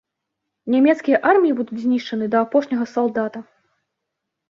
Нямецкія арміі будуць знішчаны да апошняга салдата.